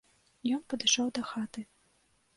Ён падышоў да хаты.